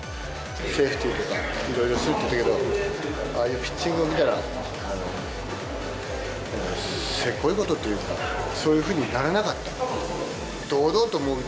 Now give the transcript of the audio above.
セーフティーとか、いろいろするって言ったけど、ああいうピッチングを見たら、なんかせこいことっていうか、そういうふうにならなかった。